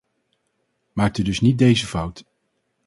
Maakt u dus niet deze fout.